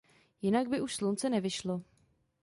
Jinak by už slunce nevyšlo.